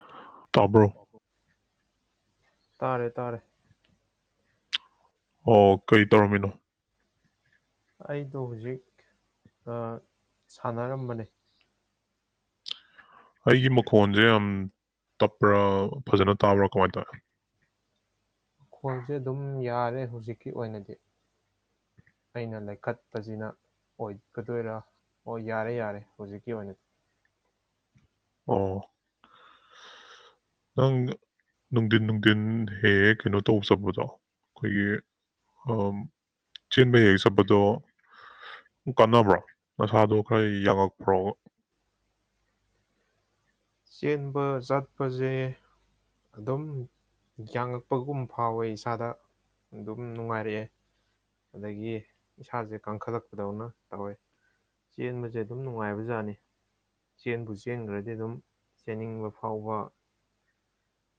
ꯍꯥ ꯇꯥꯕꯔꯣ ꯇꯥꯔꯦ ꯇꯥꯔꯦ ꯑꯣ ꯀꯔꯤ ꯇꯧꯔꯝꯃꯤꯅꯣ ꯑꯩꯗꯣ ꯍꯧꯖꯤꯛ ꯁꯥꯟꯅꯔꯝꯕꯅꯦ ꯑꯩꯒꯤ ꯃꯈꯣꯟꯁꯦ ꯌꯥꯝ ꯇꯞꯄ꯭ꯔꯥ ꯐꯖꯅ ꯇꯥꯕ꯭ꯔꯥ ꯀꯃꯥꯏꯅ ꯇꯧꯏ ꯃꯈꯣꯜꯁꯦ ꯑꯗꯨꯝ ꯌꯥꯔꯦ ꯍꯧꯖꯤꯛꯀꯤ ꯑꯣꯏꯅꯗꯤ ꯑꯩꯅ ꯂꯩꯈꯠꯄꯁꯤꯅ ꯑꯣꯏꯒꯗꯣꯏꯔꯥ ꯑꯣ ꯌꯥꯔꯦ ꯌꯥꯔꯦ ꯍꯧꯖꯤꯛꯀꯤ ꯑꯣꯏꯅꯗꯤ ꯑꯣ ꯅꯪ ꯅꯨꯡꯊꯤꯟ ꯅꯨꯡꯊꯤꯟ ꯍꯦꯛ ꯍꯦꯛ ꯀꯩꯅꯣ ꯇꯧꯕ ꯆꯠꯄꯗꯣ ꯑꯩꯈꯣꯏꯒꯤ ꯆꯦꯟꯕ ꯍꯦꯛ ꯍꯦꯛ ꯆꯠꯄꯗꯣ ꯀꯥꯟꯅꯕ꯭ꯔꯣ ꯅꯁꯥꯗꯣ ꯈꯔ ꯌꯥꯡꯉꯛꯄ꯭ꯔꯣ ꯆꯦꯟꯕ ꯆꯠꯄꯁꯦ ꯑꯗꯨꯝ ꯌꯥꯡꯉꯛꯄꯒꯨꯝ ꯐꯥꯎꯋꯦ ꯏꯁꯥꯗ ꯑꯗꯨꯝ ꯅꯨꯡꯉꯥꯏꯔꯛꯑꯦ ꯑꯗꯒꯤ ꯏꯁꯥꯁꯦ ꯀꯪꯈꯠꯂꯛꯄꯗꯧꯅ ꯇꯧꯋꯦ ꯆꯦꯟꯕꯁꯦ ꯑꯗꯨꯝ ꯅꯨꯡꯉꯥꯏꯕꯖꯥꯠꯅꯤ ꯆꯦꯟꯕꯨ ꯆꯦꯟꯈ꯭ꯔꯗꯤ ꯑꯗꯨꯝ ꯆꯦꯟꯅꯤꯡꯕ ꯐꯥꯎꯕ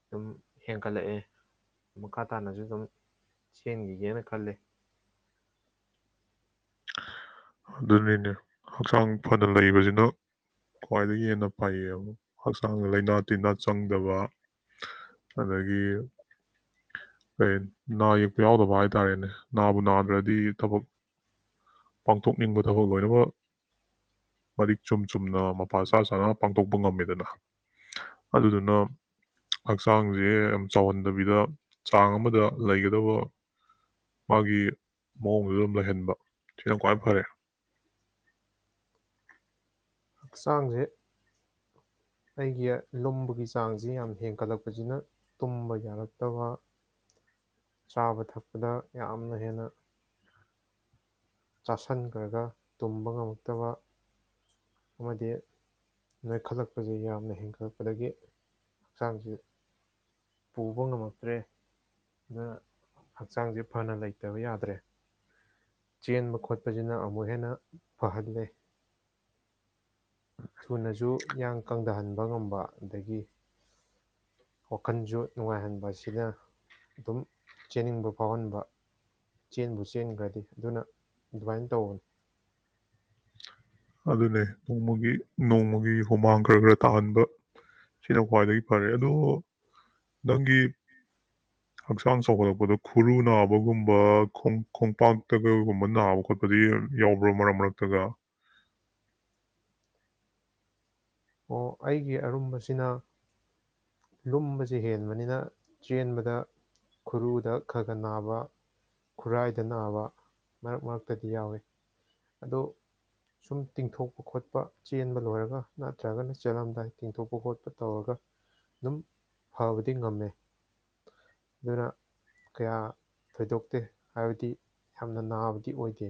ꯑꯗꯨꯝ ꯍꯦꯟꯒꯠꯂꯛꯑꯦ ꯃꯈꯥ ꯇꯥꯅꯁꯨ ꯑꯗꯨꯝ ꯆꯦꯟꯈꯤꯒꯦꯅ ꯈꯜꯂꯦ ꯑꯗꯨꯅꯤꯅꯦ ꯍꯛꯆꯥꯡ ꯐꯅ ꯂꯩꯕꯁꯤꯅ ꯈ꯭ꯋꯥꯏꯗꯒꯤ ꯍꯦꯟꯅ ꯐꯩꯌꯦꯕ ꯍꯛꯆꯥꯡꯗ ꯂꯩꯅꯥ ꯇꯤꯟꯅꯥ ꯆꯪꯗꯕ ꯑꯗꯒꯤ ꯀꯩ ꯅꯥ ꯌꯦꯛꯄ ꯌꯥꯎꯗꯕ ꯍꯥꯏꯇꯥꯔꯦꯅꯦ ꯅꯥꯕꯨ ꯅꯥꯗ꯭ꯔꯗꯤ ꯊꯕꯛ ꯄꯥꯡꯊꯣꯛꯅꯤꯡꯕ ꯊꯕꯛ ꯂꯣꯏꯅꯃꯛ ꯃꯔꯤꯛ ꯆꯨꯝ ꯆꯨꯝꯅ ꯃꯄꯥꯆꯥ ꯆꯥꯅ ꯄꯥꯡꯊꯣꯛꯄ ꯉꯝꯃꯦꯗꯅ ꯑꯗꯨꯗꯨꯅ ꯍꯛꯆꯥꯡꯁꯦ ꯌꯥꯝ ꯆꯥꯎꯍꯟꯗꯕꯤꯗ ꯆꯥꯡ ꯑꯃꯗ ꯂꯩꯒꯗꯕ ꯃꯥꯒꯤ ꯃꯑꯣꯡꯗꯨꯗ ꯑꯗꯨꯝ ꯂꯩꯍꯟꯕ ꯁꯤꯅ ꯈꯋ꯭ꯥꯏ ꯐꯔꯦ ꯍꯛꯆꯥꯡꯁꯦ ꯑꯩꯒꯤ ꯂꯨꯝꯕꯒꯤ ꯆꯥꯡꯁꯤ ꯌꯥꯝ ꯍꯦꯟꯒꯠꯂꯛꯄꯁꯤꯅ ꯇꯨꯝꯕ ꯌꯥꯔꯛꯇꯕ ꯆꯥꯕ ꯊꯛꯄꯗ ꯌꯥꯝꯅ ꯍꯦꯟꯅ ꯆꯥꯁꯟꯈ꯭ꯔꯒ ꯇꯨꯝꯕ ꯉꯝꯃꯛꯇꯕ ꯑꯃꯗꯤ ꯅꯣꯏꯈꯠꯂꯛꯄꯁꯦ ꯌꯥꯝꯅ ꯍꯦꯟꯒꯠꯂꯛꯄꯗꯒꯤ ꯍꯛꯆꯥꯡꯁꯤ ꯄꯨꯕ ꯉꯝꯃꯛꯇ꯭ꯔꯦ ꯑꯗꯨꯅ ꯍꯛꯆꯥꯡꯁꯦ ꯐꯅ ꯂꯩꯇꯕ ꯌꯥꯗ꯭ꯔꯦ ꯆꯦꯟꯕ ꯈꯣꯠꯄꯁꯤꯅ ꯑꯃꯨꯛ ꯍꯦꯟꯅ ꯐꯍꯜꯂꯦ ꯊꯨꯅꯁꯨ ꯏꯌꯥꯡ ꯀꯪꯊꯍꯟꯕ ꯉꯝꯕ ꯑꯗꯒꯤ ꯋꯥꯈꯜꯁꯨ ꯅꯨꯡꯉꯥꯏꯍꯟꯕ ꯁꯤꯅ ꯑꯗꯨꯝ ꯆꯦꯟꯅꯤꯡꯕ ꯐꯥꯎꯍꯟꯕ ꯆꯦꯟꯕꯨ ꯆꯦꯟꯈ꯭ꯔꯗꯤ ꯑꯗꯨꯅ ꯑꯗꯨꯃꯥꯏꯅ ꯇꯧꯕꯅꯤ ꯑꯗꯨꯅꯦ ꯅꯣꯡꯃꯒꯤ ꯅꯣꯡꯃꯒꯤ ꯍꯨꯃꯥꯡ ꯈꯔ ꯈꯔ ꯇꯥꯍꯟꯕ ꯁꯤꯅ ꯈ꯭ꯋꯥꯏꯗꯒꯤ ꯐꯔꯦ ꯑꯗꯣ ꯅꯪꯒꯤ ꯍꯛꯆꯥꯡ ꯆꯥꯎꯈꯠꯂꯛꯄꯗ ꯈꯨꯔꯨ ꯅꯥꯕꯒꯨꯝꯕ ꯈꯣꯡꯄꯥꯛꯇ ꯀꯒꯨꯝꯕ ꯅꯥꯕ ꯈꯣꯠꯄꯗꯤ ꯌꯥꯎꯕ꯭ꯔ ꯃꯔꯛ ꯃꯔꯛꯇꯒ ꯑꯣ ꯑꯩꯒꯤ ꯑꯔꯨꯝꯕꯁꯤꯅ ꯂꯨꯝꯕꯕꯁꯤ ꯍꯦꯟꯕꯅꯤꯅ ꯆꯦꯟꯕꯗ ꯈꯨꯔꯨꯗ ꯈ ꯈ ꯅꯥꯕ ꯈꯨꯔꯥꯏꯗ ꯅꯥꯕ ꯃꯔꯛ ꯃꯔꯛꯇꯗꯤ ꯌꯥꯎꯏꯤ ꯑꯗꯣ ꯁꯨꯝ ꯇꯤꯡꯊꯣꯛꯄ ꯈꯣꯠꯄ ꯆꯦꯟꯕ ꯂꯣꯏꯔꯒ ꯅꯠꯇ꯭ꯔꯒꯅ ꯆꯠꯂꯝꯗꯥꯏ ꯇꯦꯡꯊꯣꯛꯄ ꯈꯣꯠꯄ ꯇꯧꯔꯒ ꯑꯗꯨꯝ ꯐꯕꯗꯤ ꯉꯝꯃꯦ ꯑꯗꯨꯅ ꯀꯌꯥ ꯊꯣꯏꯗꯣꯛꯇꯦ ꯍꯥꯏꯕꯗꯤ ꯌꯥꯝꯅ ꯅꯥꯕꯗꯤ ꯑꯣꯏꯗꯦ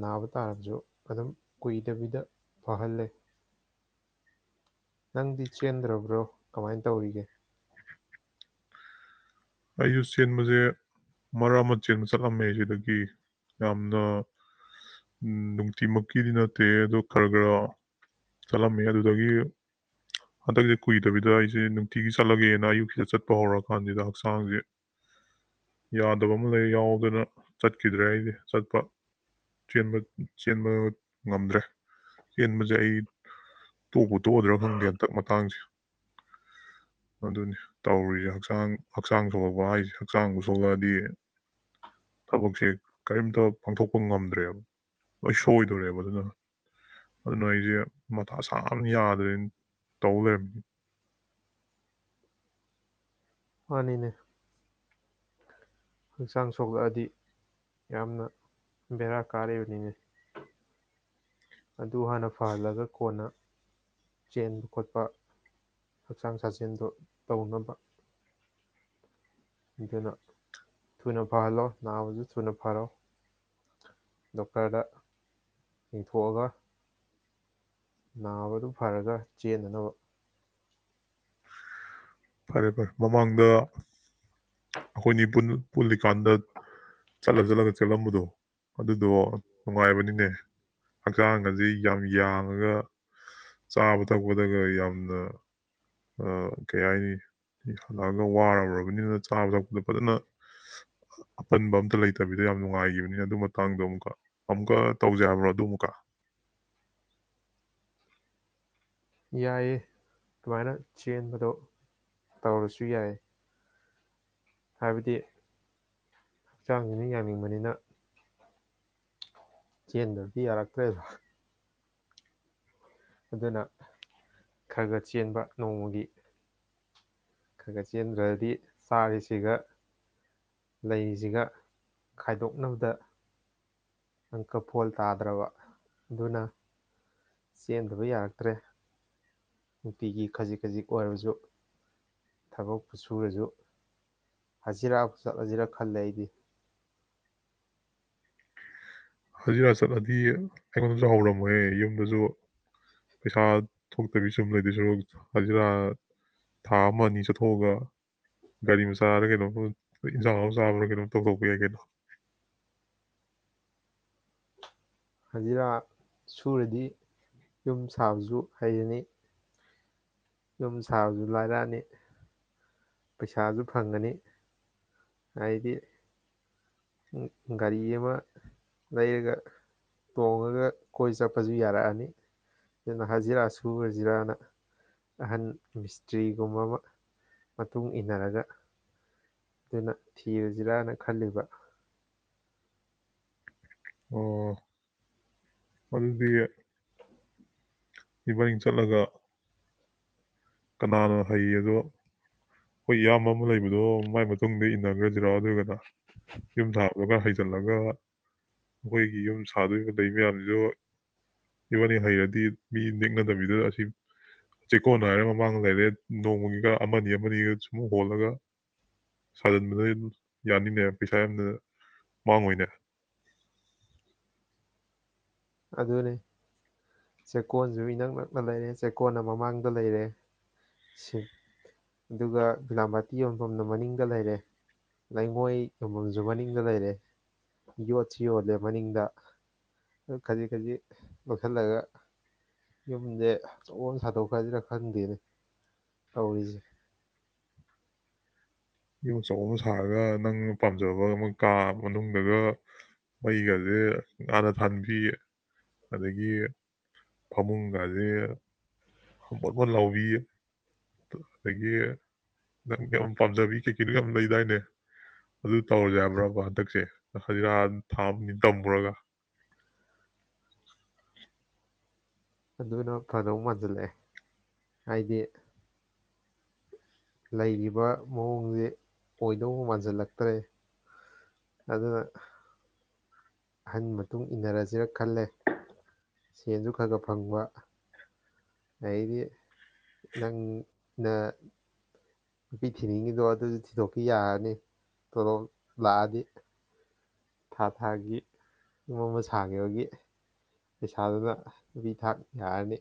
ꯅꯥꯕ ꯇꯥꯔꯕꯁꯨ ꯑꯗꯨꯝ ꯀꯨꯏꯗꯕꯤꯗ ꯐꯍꯜꯂꯦ ꯅꯪꯗꯤ ꯆꯦꯟꯗ꯭ꯔꯕ꯭ꯔꯣ ꯀꯃꯥꯏꯅ ꯇꯧꯔꯤꯒꯦ ꯑꯩꯁꯨ ꯆꯦꯟꯕꯁꯦ ꯃꯔꯛ ꯑꯃ ꯆꯦꯟꯕ ꯆꯠꯂꯝꯃꯦ ꯁꯤꯗꯒꯤ ꯌꯥꯝꯅ ꯅꯨꯡꯇꯤꯃꯛꯀꯤꯗꯤ ꯅꯠꯇꯦ ꯑꯗꯣ ꯈꯔ ꯈꯔ ꯆꯠꯂꯝꯃꯦ ꯑꯗꯨꯗꯒꯤ ꯍꯟꯗꯛꯁꯦ ꯀꯨꯏꯗꯕꯤꯗ ꯑꯩꯁꯦ ꯅꯨꯡꯇꯤꯒꯤ ꯆꯠꯂꯒꯦꯅ ꯑꯌꯨꯛꯁꯤꯗ ꯆꯠꯄ ꯍꯧꯔꯛꯀꯥꯟꯁꯤꯗ ꯍꯛꯆꯥꯡꯁꯦ ꯌꯥꯗꯕ ꯑꯃ ꯂꯩ ꯌꯥꯎꯗꯅ ꯆꯠꯈꯤꯗ꯭ꯔꯦ ꯑꯩꯗꯤ ꯆꯠꯄ ꯆꯦꯟꯕ ꯉꯝꯗ꯭ꯔꯦ ꯆꯦꯟꯕꯁꯦ ꯑꯩ ꯇꯣꯛꯄ ꯇꯣꯛꯑꯗ꯭ꯔꯥ ꯈꯪꯗꯦ ꯍꯟꯇꯛ ꯃꯇꯥꯡꯁꯦ ꯑꯗꯨꯅꯤ ꯇꯧꯔꯤꯁꯦ ꯍꯛꯆꯥꯡ ꯍꯛꯆꯥꯡ ꯁꯣꯛꯂꯛꯄ ꯍꯥꯏꯁꯦ ꯍꯛꯆꯥꯡꯕꯨ ꯁꯣꯛꯂꯛꯑꯗꯤ ꯊꯕꯛꯁꯦ ꯀꯔꯤꯝꯇ ꯄꯥꯡꯊꯣꯛꯄ ꯉꯝꯗ꯭ꯔꯦꯕ ꯂꯣꯏ ꯁꯣꯏꯗꯣꯔꯦꯕ ꯑꯗꯨꯅ ꯑꯗꯨꯅ ꯑꯩꯁꯦ ꯃꯊꯥ ꯁꯥꯕꯅ ꯌꯥꯗ꯭ꯔꯦꯅ ꯇꯧ ꯂꯩꯔꯝꯃꯤ ꯃꯥꯅꯤꯅꯦ ꯍꯛꯆꯥꯡ ꯁꯣꯛꯂꯛꯑꯗꯤ ꯌꯥꯝꯅ ꯕꯦꯔꯥ ꯀꯥꯔꯤꯕꯅꯤꯅꯦ ꯑꯗꯨ ꯍꯥꯟꯅ ꯐꯍꯜꯂꯒ ꯀꯣꯟꯅ ꯆꯦꯟꯕ ꯈꯣꯠꯄ ꯍꯛꯆꯥꯡ ꯁꯥꯖꯦꯟꯗꯣ ꯇꯧꯅꯕ ꯑꯗꯨꯅ ꯊꯨꯅ ꯐꯍꯜꯂꯣ ꯅꯥꯕꯁꯨ ꯊꯨꯅ ꯐꯔꯣ ꯗꯣꯛꯇꯔꯗ ꯌꯦꯡꯊꯣꯛꯑꯒ ꯅꯥꯕꯗꯨ ꯐꯔꯒ ꯆꯦꯟꯅꯅꯕ ꯐꯔꯦ ꯐꯔꯦ ꯃꯃꯥꯡꯗ ꯑꯩꯈꯣꯏꯅꯤ ꯆꯗ ꯆꯠꯂ ꯆꯠꯂꯒ ꯆꯠꯂꯝꯕꯗꯣ ꯑꯗꯨꯗꯣ ꯅꯨꯡꯉꯥꯏꯕꯅꯤꯅꯦ ꯍꯛꯆꯥꯡ ꯑꯁꯤ ꯌꯥꯝ ꯌꯥꯡꯉꯒ ꯆꯥꯕ ꯊꯛꯄꯗꯒ ꯌꯥꯝꯅ ꯀꯩ ꯍꯥꯏꯅꯤ ꯍꯜꯂꯛꯑꯒ ꯋꯥꯕꯅꯤꯅ ꯆꯥꯕ ꯊꯛꯄꯗ ꯐꯖꯅ ꯑꯄꯟꯕ ꯑꯝꯇ ꯂꯩꯇꯕꯤꯗ ꯌꯥꯝ ꯅꯨꯡꯉꯥꯏꯈꯤꯕꯅꯤꯅ ꯑꯗꯨ ꯃꯇꯥꯡꯗꯣ ꯑꯃꯨꯛꯀ ꯑꯃꯨꯛꯀ ꯇꯧꯖꯕ꯭ꯔꯣ ꯑꯗꯨ ꯑꯃꯨꯛꯀ ꯌꯥꯏꯌꯦ ꯑꯗꯨꯃꯥꯏꯅ ꯆꯦꯟꯕꯗꯣ ꯇꯧꯔꯁꯨ ꯌꯥꯏ ꯍꯥꯏꯕꯗꯤ ꯍꯛꯆꯥꯡꯁꯤꯅ ꯌꯥꯡꯅꯤꯡꯕꯅꯤꯅ ꯆꯦꯟꯗ ꯌꯥꯔꯛꯥꯛꯇꯦ ꯑꯗꯨꯅ ꯈꯔ ꯈꯔ ꯆꯦꯟꯕ ꯅꯣꯡꯃꯒꯤ ꯈꯔ ꯈꯔ ꯆꯦꯟꯈ꯭ꯔꯗꯤ ꯆꯥꯔꯤꯁꯤꯒ ꯂꯩꯔꯤꯁꯤꯒ ꯈꯥꯏꯗꯣꯛꯅꯕꯗ ꯅꯪꯀ ꯐꯣꯜ ꯇꯥꯗ꯭ꯔꯕ ꯑꯗꯨꯅ ꯆꯦꯟꯗꯕ ꯌꯥꯔꯛꯇ꯭ꯔꯦ ꯅꯨꯄꯤꯒꯤ ꯈꯖꯤꯛ ꯈꯖꯤꯛ ꯑꯣꯏꯔꯕꯁꯨ ꯊꯕꯛ ꯁꯨꯔꯁꯨ ꯍꯖꯤꯔꯥ ꯆꯠꯂꯖꯤꯔ ꯈꯜꯂꯦ ꯑꯩꯗꯤ ꯍꯖꯤꯔꯥ ꯆꯠꯂꯗꯤ ꯑꯩꯉꯣꯟꯗꯁꯨ ꯍꯧꯔꯝꯃꯣꯏꯍꯦ ꯌꯨꯝꯗꯁꯨ ꯄꯩꯁꯥ ꯊꯣꯛꯇꯕꯤ ꯁꯨꯝ ꯂꯩꯗ ꯁꯔꯣꯛ ꯍꯖꯤꯔꯥ ꯊꯥ ꯑꯃ ꯑꯅꯤ ꯆꯠꯊꯣꯛꯑꯒ ꯒꯥꯔꯤ ꯃꯆꯥꯗ ꯀꯩꯅꯣꯝ ꯏꯟꯖꯥꯡ ꯆꯥꯕ꯭ꯔꯥ ꯀꯩꯅꯣꯝ ꯇꯧꯊꯣꯛꯄ ꯌꯥꯏ ꯀꯩꯅꯣ ꯍꯖꯤꯔꯥ ꯁꯨꯔꯗꯤ ꯌꯨꯝ ꯁꯥꯕꯁꯨ ꯍꯩꯔꯅꯤ ꯌꯨꯝ ꯁꯥꯕꯁꯨ ꯂꯥꯏꯔꯛꯑꯅꯤ ꯄꯩꯁꯥꯁꯨ ꯐꯪꯒꯅꯤ ꯍꯥꯏꯗꯤ ꯒꯥꯔꯤ ꯑꯃ ꯂꯩꯔꯒ ꯇꯣꯡꯉꯒ ꯀꯣꯏ ꯆꯠꯄꯁꯨ ꯌꯥꯔꯛꯑꯅꯤ ꯑꯗꯨꯅ ꯍꯖꯤꯔꯥ ꯁꯨꯨꯔꯖꯤꯔꯥꯅ ꯑꯍꯟ ꯃꯤꯁꯇ꯭ꯔꯤꯒꯨꯝꯕ ꯑꯃ ꯃꯇꯨꯡ ꯏꯟꯅꯔꯒ ꯑꯗꯨꯅ ꯊꯤꯔꯨꯁꯤꯔꯥꯅ ꯈꯜꯂꯤꯕ ꯑꯣ ꯑꯗꯨꯗꯤ ꯏꯕꯥꯅꯤꯡꯡ ꯆꯠꯂꯒ ꯀꯅꯥꯅ ꯍꯩ ꯑꯗꯣ ꯑꯩꯈꯣꯏ ꯏꯌꯥꯝꯕ ꯑꯃ ꯂꯩꯕꯗꯣ ꯃꯥꯏ ꯃꯇꯨꯡꯗ ꯏꯟꯅꯈ꯭ꯔꯁꯤꯔꯥ ꯑꯗꯨꯔꯒꯅ ꯌ ꯊ ꯍꯥꯏ ꯆꯜꯂꯒ ꯑꯩꯈꯣꯏꯒꯤ ꯌꯨꯝ ꯁꯥꯗꯣꯔꯤꯕ ꯂꯩ ꯃꯌꯥꯝꯁꯤꯁꯨ ꯏꯕꯥꯅꯤ ꯍꯩꯔꯗꯤ ꯃꯤ ꯅꯦꯛꯅꯗꯕꯤꯗ ꯑꯁꯤ ꯆꯦꯛꯀꯣꯟ ꯍꯥꯏꯔ ꯃꯥꯡ ꯂꯩꯔꯦ ꯅꯣꯡꯃꯒꯤꯒ ꯑꯃꯅꯤ ꯑꯃꯒ ꯁꯨꯝ ꯍꯣꯜꯂꯒ ꯁꯥꯖꯤꯟꯕꯅ ꯌꯥꯅꯤꯅꯦ ꯄꯩꯁꯥ ꯌꯥꯝꯅ ꯃꯥꯡꯉꯏꯅꯦ ꯑꯗꯨꯅꯤ ꯆꯦꯛꯀꯣꯟꯁꯨ ꯏꯅꯛ ꯅꯛꯅ ꯂꯩꯔꯦ ꯆꯦꯛꯀꯣꯟꯜꯅ ꯃꯃꯥꯡꯗ ꯂꯩꯔꯦ ꯑꯗꯨꯒ ꯕꯤꯤꯂꯥꯃꯇꯤ ꯌꯣꯟꯐꯝꯅ ꯃꯅꯤꯡꯗ ꯂꯩꯔꯦ ꯂꯩꯉꯣꯏ ꯌꯣꯟꯐꯝꯁꯨ ꯃꯅꯤꯡꯗ ꯂꯩꯔꯦ ꯌꯣꯠꯁꯨ ꯌꯣꯜꯂꯦ ꯃꯅꯤꯡꯗ ꯈꯖꯤꯛ ꯈꯖꯤꯛ ꯂꯧꯁꯤꯜꯂꯒ ꯌꯨꯝꯁꯦ ꯑꯣꯣꯟ ꯁꯥꯗꯣꯛꯈ꯭ꯔꯁꯤꯔꯥ ꯈꯪꯗꯦꯅꯦ ꯇꯧꯔꯤꯁꯦ ꯌꯣꯆꯧ ꯑꯃ ꯁꯥꯔꯒ ꯅꯪꯅ ꯄꯥꯝꯖꯕ ꯑꯃ ꯀꯥ ꯃꯅꯨꯡꯗꯒ ꯃꯩꯒꯁꯦ ꯉꯥꯅ ꯊꯥꯟꯕꯤꯌꯦ ꯑꯗꯒꯤ ꯐꯃꯨꯡꯒꯁꯦ ꯍꯄꯣꯠ ꯑꯃ ꯂꯥꯎꯕꯤꯌꯦ ꯑꯗꯒꯤ ꯅꯪ ꯌꯥꯝ ꯄꯥꯝꯖꯕꯤ ꯀꯩꯀꯗꯨ ꯌꯥꯝ ꯂꯩꯗꯥꯏꯅꯦ ꯑꯗꯨ ꯇꯧꯔꯁꯨ ꯍꯥꯏꯕ꯭ꯔꯕ ꯍꯟꯗꯛꯁꯦ ꯍꯖꯤꯔ ꯊꯥꯕꯅꯤ ꯇꯝꯃꯨꯔꯒ ꯑꯗꯨꯅ ꯐꯗꯧ ꯃꯥꯟꯁꯤꯜꯂꯛꯑꯦ ꯍꯥꯏꯗꯤ ꯂꯩꯔꯤꯕ ꯃꯑꯣꯡꯁꯦ ꯑꯣꯏꯗꯧ ꯃꯥꯟꯁꯤꯜꯂꯛꯇ꯭ꯔꯦ ꯑꯗꯨ ꯑꯍꯟ ꯃꯇꯨꯡ ꯏꯟꯅꯔꯁꯤꯔ ꯈꯜꯂꯦ ꯁꯦꯟꯁꯨ ꯈꯔ ꯈꯔ ꯐꯪꯕ ꯑꯗꯤ ꯅꯪꯅ ꯅꯨꯄꯤ ꯊꯤꯅꯤꯡꯉꯤꯗꯣ ꯑꯗꯨꯁꯨ ꯊꯤꯗꯣꯛꯄꯤ ꯌꯥꯔꯅꯤ ꯇꯣꯂꯣꯞ ꯂꯥꯛꯑꯗꯤ ꯊꯥ ꯊꯥꯒꯤ ꯌꯨꯝ ꯑꯃ ꯁꯥꯥꯡꯈꯤꯕꯒꯤ ꯄꯩꯁꯥꯗꯨꯅ ꯅꯨꯄꯤ ꯊꯥꯛ ꯌꯥꯔꯅꯤ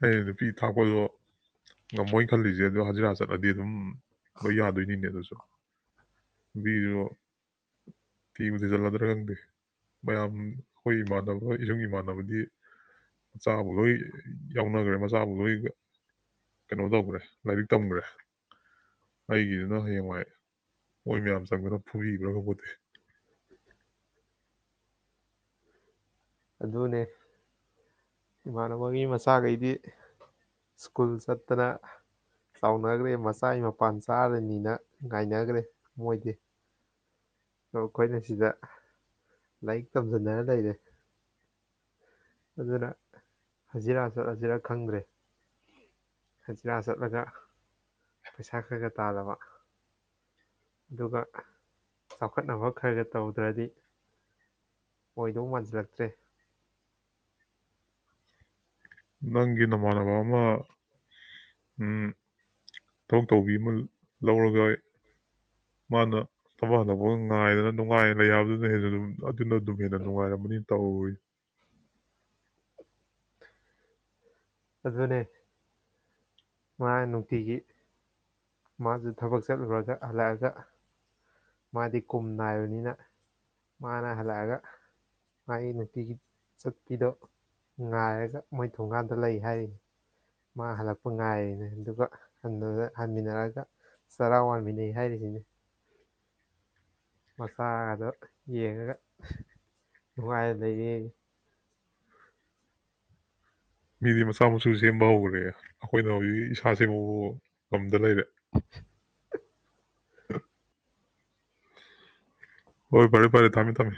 ꯍ ꯅꯨꯄꯤ ꯊꯥꯛꯄꯗꯣ ꯉꯝꯃꯣꯏꯅ ꯈꯜꯂꯤꯁꯦ ꯑꯗꯣ ꯍꯖꯤꯔꯥ ꯆꯠꯂꯗꯤ ꯑꯗꯨꯝ ꯣꯏ ꯌꯥꯗꯣꯏꯅꯤꯅꯦ ꯑꯗꯨꯁꯨ ꯅꯨꯄꯤꯁꯨ ꯊꯤꯕ ꯊꯤꯖꯤꯜꯂꯗ꯭ꯔꯥ ꯈꯪꯗꯦ ꯃꯌꯥꯝ ꯑꯩꯈꯣꯏ ꯏꯃꯥꯟꯅꯕ ꯏꯁꯨꯡ ꯏꯃꯥꯟꯅꯕꯗꯤ ꯑꯆꯥꯕ ꯂꯣꯏ ꯌꯥꯎꯅꯈ꯭ꯔꯦ ꯃꯆꯥꯕꯨ ꯂꯣꯏ ꯀꯩꯅꯣ ꯇꯧꯈ꯭ꯔꯦ ꯂꯥꯏꯔꯤꯛ ꯇꯝꯈ꯭ꯔꯦ ꯑꯩꯒꯤꯗꯨꯅ ꯍꯌꯦꯡꯋꯥꯏ ꯃꯣꯏ ꯃꯌꯥꯝ ꯆꯪꯕꯅ ꯐꯨꯕꯤꯈ꯭ꯔꯒ ꯈꯄꯣꯠꯇꯤ ꯑꯗꯨꯅꯦ ꯏꯃꯥꯟꯅꯕꯒꯤ ꯃꯆꯥꯈꯩꯗꯤ ꯁ꯭ꯀꯨꯜ ꯆꯠꯇꯅ ꯆꯥꯎꯅꯈ꯭ꯔꯦ ꯃꯆꯥꯒꯤ ꯃꯄꯥꯟ ꯆꯥꯔꯅꯤꯅ ꯉꯥꯏꯅꯈ꯭ꯔꯦ ꯃꯣꯏꯗꯤ ꯑꯣ ꯑꯩꯈꯣꯏꯅ ꯁꯤꯗ ꯂꯥꯏꯔꯤꯛ ꯇꯝꯖꯟꯅꯅ ꯂꯩꯔꯦ ꯑꯗꯨꯅ ꯍꯖꯤꯔꯥ ꯆꯠ ꯍꯖꯤꯔꯥ ꯈꯪꯗ꯭ꯔꯦ ꯍꯖꯤꯔꯥ ꯆꯠꯂꯒ ꯄꯩꯁꯥ ꯈꯔ ꯈ ꯇꯥꯗꯕ ꯑꯗꯨꯒ ꯆꯥꯎꯈꯠꯅꯕ ꯈꯔꯒ ꯇꯧꯗ꯭ꯔꯗꯤ ꯑꯣꯏꯗꯧ ꯃꯥꯟꯁꯤꯜꯂꯛꯇ꯭ꯔꯦ ꯅꯪꯒꯤ ꯅꯃꯥꯟꯅꯕ ꯑꯃ ꯎꯝ ꯊꯕꯛ ꯇꯧꯕꯤ ꯑꯃ ꯂꯧꯔꯒ ꯃꯥꯅ ꯊꯕꯛ ꯍꯟꯗꯣꯛꯄꯒ ꯉꯥꯏꯗꯅ ꯅꯨꯡꯉꯥꯏ ꯂꯩ ꯍꯥꯏꯕꯗꯨꯅ ꯍꯦꯟꯅ ꯑꯗꯨꯝ ꯑꯗꯨꯅ ꯑꯗꯨꯝ ꯍꯦꯟꯅ ꯅꯨꯡꯉꯥꯏꯔꯝꯃꯅꯤꯅ ꯇꯧꯏ ꯑꯗꯨꯅꯦ ꯃꯥ ꯅꯨꯡꯇꯤꯒꯤ ꯃꯥꯁꯨ ꯊꯕꯛ ꯆꯠꯂꯨꯔꯒ ꯍꯜꯂꯛꯑꯒ ꯃꯥꯗꯤ ꯀꯨꯝ ꯅꯥꯏꯕꯅꯤꯅ ꯃꯥꯅ ꯍꯜꯂꯛꯑꯒ ꯃꯥꯒꯤ ꯅꯨꯡꯇꯤꯒꯤ ꯆꯠꯄꯤꯗꯣ ꯉꯥꯏꯔꯒ ꯃꯣꯏ ꯊꯣꯡꯒꯥꯟꯗ ꯂꯩ ꯌꯥꯥꯏ ꯃꯥ ꯍꯜꯂꯛꯄ ꯉꯥꯏꯔꯤꯅꯦ ꯑꯗꯨꯒ ꯍꯟꯃꯤꯟꯅꯔꯒ ꯆꯔꯥꯎ ꯋꯥꯟꯃꯤꯟꯅꯩ ꯍꯥꯏꯔꯤꯁꯤꯅꯦ ꯃꯆꯥꯗꯣ ꯌꯦꯡꯉꯒ ꯅꯨꯡꯉꯥꯏ ꯌꯦꯡ ꯃꯤꯗꯤ ꯃꯆꯥ ꯃꯁꯨ ꯁꯦꯝꯕ ꯍꯧꯈ꯭ꯔꯦ ꯑꯩꯈꯣꯏꯅ ꯍꯧꯖꯤꯛ ꯏꯁꯥ ꯁꯦꯝꯕ ꯉꯝꯗ ꯂꯩꯔꯦ ꯍꯣꯏ ꯐꯔꯦ ꯐꯔꯦ ꯊꯝꯃꯦ ꯊꯝꯃꯦ